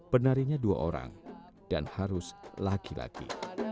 penarinya dua orang dan harus laki laki